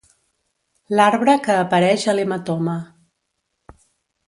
L'arbre que apareix a l'hematoma.